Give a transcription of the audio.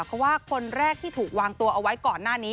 เพราะว่าคนแรกที่ถูกวางตัวเอาไว้ก่อนหน้านี้